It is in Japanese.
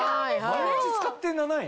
毎日使って７円？